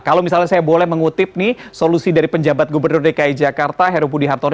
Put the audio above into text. kalau misalnya saya boleh mengutip nih solusi dari penjabat gubernur dki jakarta heru budi hartono